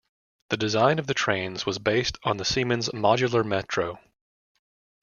The design of the trains was based on the Siemens Modular Metro.